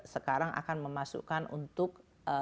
sekarang akan memasukkan untuk